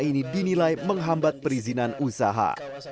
ini dinilai menghambat perizinan usaha